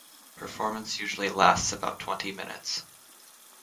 Performance usually lasts about twenty minutes.